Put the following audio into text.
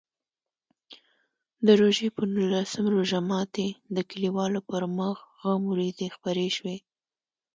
د روژې په نولسم روژه ماتي د کلیوالو پر مخ غم وریځې خپرې شوې.